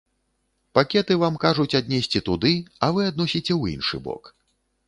Пакеты вам кажуць аднесці туды, а вы адносіце ў іншы бок.